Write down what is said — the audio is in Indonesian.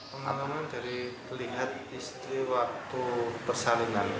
pengalaman dari melihat istri waktu persalinan